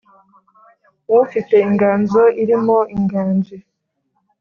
ufite inganzo irimo inganji